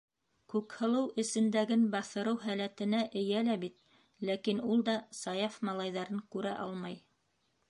Күкһылыу эсендәген баҫырыу һәләтенә эйә лә бит, ләкин ул да Саяф малайҙарын күрә алмай...